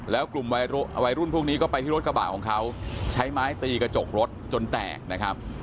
แล้วกลุ่มวัยรุ่นพวกนี้ก็ไปที่รถกระบะของเขาใช้ไม้ตีกระจกรถจนแตกนะครับ